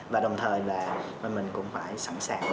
và đồng thời là mình cũng phải sẵn sàng